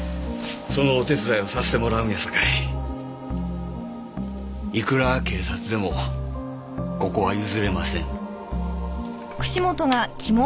そのお手伝いをさせてもらうんやさかいいくら警察でもここは譲れません。